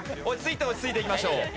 落ち着いていきましょう。